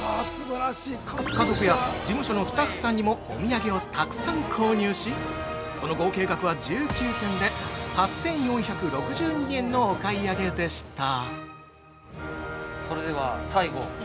家族や事務所のスタッフさんにもお土産をたくさん購入し、その合計額は、１９点で８４６２円のお買い上げでした。